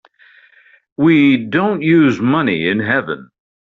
We don't use money in heaven.